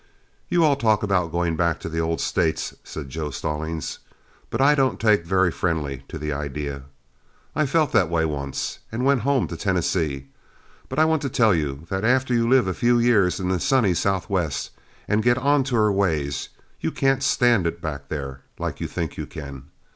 "You all talk about going back to the old States," said Joe Stallings, "but I don't take very friendly to the idea. I felt that way once and went home to Tennessee; but I want to tell you that after you live a few years in the sunny Southwest and get onto her ways, you can't stand it back there like you think you can.